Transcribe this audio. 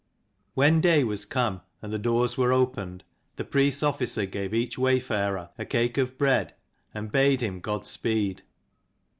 When day was come, and the doors were opened, the priests' officer gave each wayfarer a cake of bread and bade him God speed.